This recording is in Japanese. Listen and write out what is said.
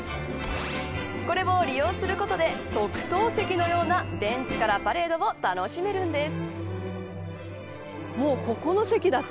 これを利用することで特等席のようなベンチからパレードを楽しめるんです。